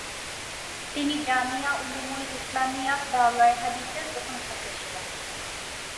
তিনি জামিয়া উলুমুল ইসলামিয়ার দাওরায়ে হাদিসের প্রথম ছাত্র ছিলেন।